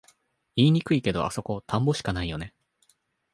言いにくいけど、あそこ田んぼしかないよね